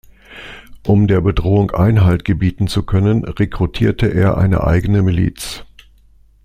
Um der Bedrohung Einhalt gebieten zu können, rekrutierte er eine eigene Miliz.